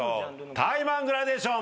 タイマングラデーション。